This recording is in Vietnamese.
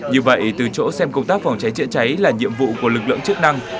như vậy từ chỗ xem công tác phòng cháy chữa cháy là nhiệm vụ của lực lượng chức năng